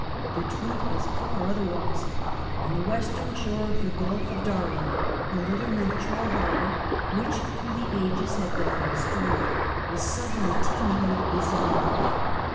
The truth was far otherwise. On the western shore of the Gulf of Darien a little natural harbour, which through the ages had been undisturbed, was suddenly teeming with busy life.